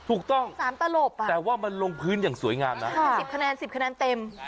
ถูกต้อง๓ตลบแต่ว่ามันลงพื้นอย่างสวยงามนะ๑๐คะแนน๑๐คะแนนเต็ม